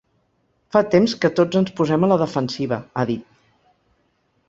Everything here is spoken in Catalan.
Fa temps que tots ens posem a la defensiva, ha dit.